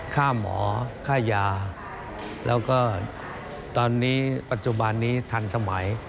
ค่าหมอค่ายาแล้วก็ตอนนี้ปัจจุบันนี้ทันสมัย